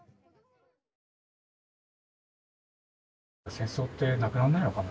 戦争ってなくなんないのかね？